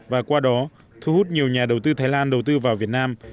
và qua đó thu hút nhiều nhà đầu tư thái lan đầu tư vào việt nam